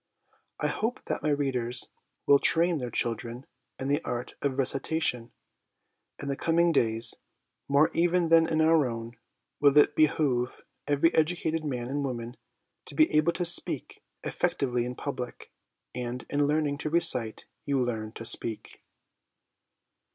I hope that my readers will train their children in the art of recita tion ; in the coming days, more even than in our own, will it behove every educated man and woman to be able to speak effectively in public; and, in learning to recite you learn to speak.